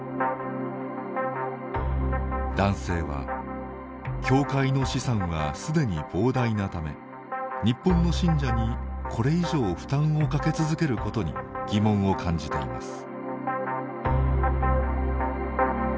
男性は教会の資産はすでに膨大なため日本の信者にこれ以上負担をかけ続けることに疑問を感じています。